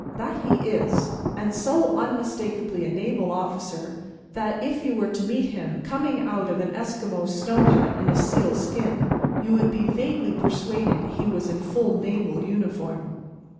That he is! And so unmistakably a naval officer, that if you were to meet him coming out of an Esquimaux snow hut in seal's skin, you would be vaguely persuaded he was in full naval uniform.